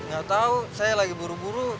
nggak tahu saya lagi buru buru